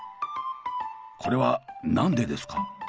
これは何でですか？